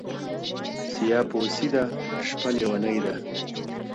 o سیاه پوسي ده، شپه لېونۍ ده.